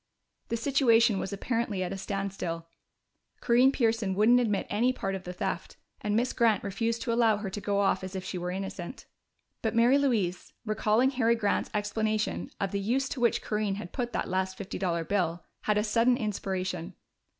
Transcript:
The situation was apparently at a standstill. Corinne Pearson wouldn't admit any part in the theft, and Miss Grant refused to allow her to go off as if she were innocent. But Mary Louise, recalling Harry Grant's explanation of the use to which Corinne had put that last fifty dollar bill, had a sudden inspiration.